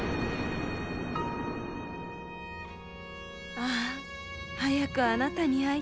「ああ早くあなたに会いたい。